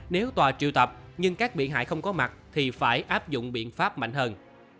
nếu tòa triệu tập nhưng các bị hại không có mặt thì phải áp dụng biện pháp mạnh hơn